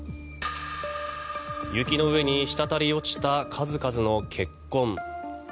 雪の上に滴り落ちた数々の血痕。